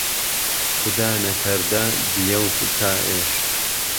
خودا نەکەردە دییەو بکا ئێش